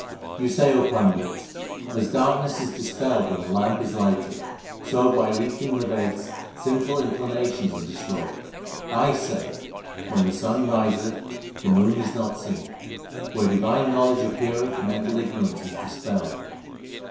You say, Pandits 1 As darkness is dispelled when a lamp is lighted, 4 So by reading the Veds sinful inclinations are destroyed. / say, l When the sun riseth, the moon is not seen. 4 Where divine knowledge appeareth mental ignorance is dispelled.